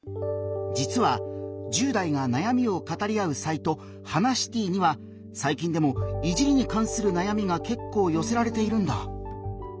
実は１０代がなやみを語り合うサイト「ハナシティ」にはさい近でも「いじり」にかんするなやみが結構よせられているんだ。